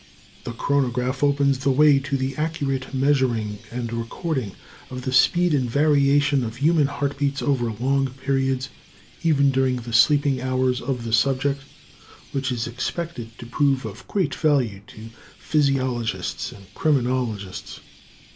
The chronograph opens the way to the accurate measuring and recording of the speed and variation of human heart beats over long periods, even during the sleeping hours of the subject, which is expected to prove of great value to physiologists and criminologists.